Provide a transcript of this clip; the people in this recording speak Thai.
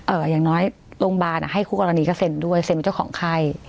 อย่างน้อยโรงพยาบาลอ่ะให้คู่กรณีก็เซ็นด้วยเซ็นเจ้าของไข้